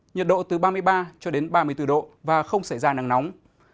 nhiệt độ từ ba mươi ba cho đến ba mươi bốn độ và không xảy ra nắng nóng